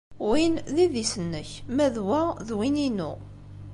Win d idis-nnek, ma d wa d win-inu.